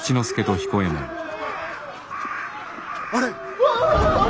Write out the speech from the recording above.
あれ！